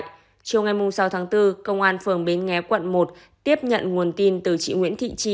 chiều ngày sáu tháng bốn công an phường bến nghé quận một tiếp nhận nguồn tin từ chị nguyễn thị trì